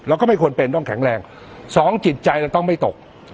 ก็ไม่ควรเป็นต้องแข็งแรงสองจิตใจเราต้องไม่ตก